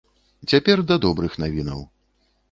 Цяпер да добрых навінаў.